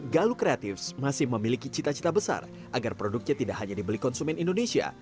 galuk kreatif masih memiliki cita cita besar agar produknya tidak hanya dibeli konsumen indonesia